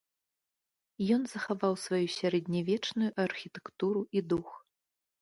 Ён захаваў сваю сярэднявечную архітэктуру і дух.